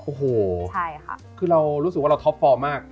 โอ้โหคือเรารู้สึกว่าเราท็อป๔มาก